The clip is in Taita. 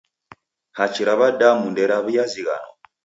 Hachi ra w'adamu nderaw'iazighanwa.